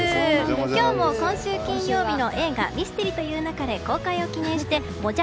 今日も今週金曜日の映画「ミステリと言う勿れ」公開を記念してもじゃ